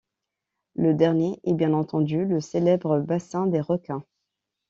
Le dernier est bien entendu le célèbre bassin des requins.